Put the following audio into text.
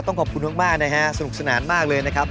ขอบคุณมากนะฮะสนุกสนานมากเลยนะครับ